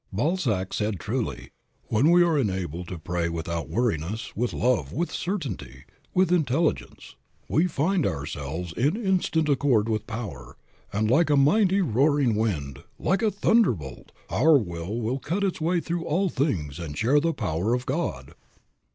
Balzac said truly: "When we are enabled to pray without weariness, with love, with certainty, with intelligence, we will find ourselves in instant accord with power, and like a mighty roaring wind, like a thunderbolt, our will will cut its way through all things and share the power of God."